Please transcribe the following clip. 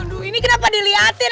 aduh ini kenapa diliatin